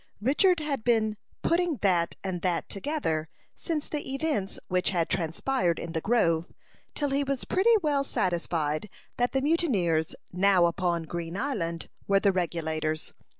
Richard had been "putting that and that together" since the events which had transpired in the grove, till he was pretty well satisfied that the mutineers now upon Green Island were the Regulators.